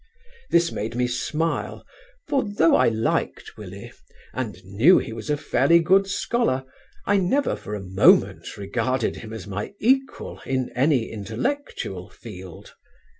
"This made me smile, for though I liked Willie, and knew he was a fairly good scholar, I never for a moment regarded him as my equal in any intellectual field.